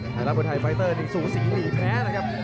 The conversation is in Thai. หลักมือไทยไฟเตอร์นิสุศรีหนีแพ้นะครับ